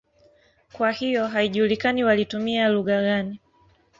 Kwa hiyo haijulikani walitumia lugha gani.